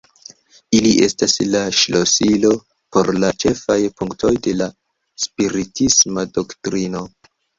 Ili estas la "ŝlosilo" por la ĉefaj punktoj de la spiritisma doktrino.